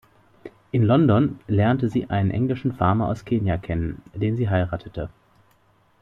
In London lernte sie einen englischen Farmer aus Kenia kennen, den sie heiratete.